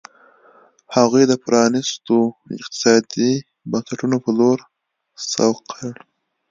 هغوی د پرانیستو اقتصادي بنسټونو په لور سوق کړ.